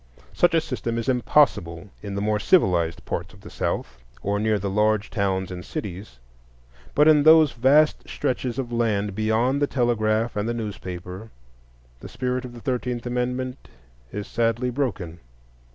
Such a system is impossible in the more civilized parts of the South, or near the large towns and cities; but in those vast stretches of land beyond the telegraph and the newspaper the spirit of the Thirteenth Amendment is sadly broken.